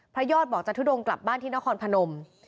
ยอดบอกจะทุดงกลับบ้านที่นครพนม